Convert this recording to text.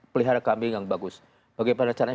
pelihara kambing yang bagus bagaimana caranya